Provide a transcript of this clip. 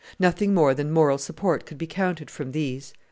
Nothing more than moral support could be counted from these.